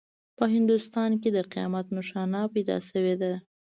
په هندوستان کې د قیامت نښانه پیدا شوې ده.